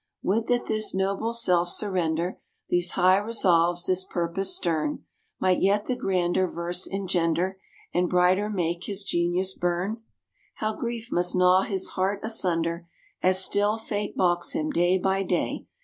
Would that this noble self surrender, These high resolves, this purpose stern, Might yet the grander verse engender, And brighter make his genius burn! "How grief must gnaw his heart asunder As still Fate balks him, day by day!"